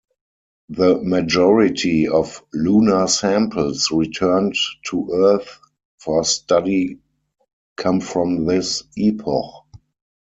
The majority of lunar samples returned to earth for study come from this epoch.